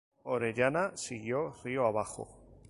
Orellana siguió río abajo.